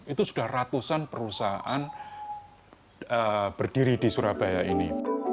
itu sudah ratusan perusahaan berdiri di surabaya ini